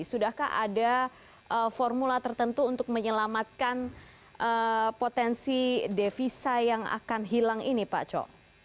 sudahkah ada formula tertentu untuk menyelamatkan potensi devisa yang akan hilang ini pak co